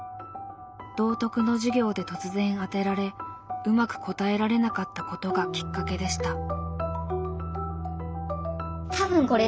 道徳の授業で突然あてられうまく答えられなかったことがきっかけでした。